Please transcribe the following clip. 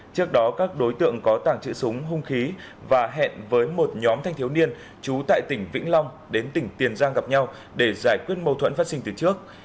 trước đó các đối tượng có tàng trữ súng hung khí và hẹn với một nhóm thanh thiếu niên trú tại tỉnh vĩnh long đến tỉnh tiền giang gặp nhau để giải quyết mâu thuẫn phát sinh từ trước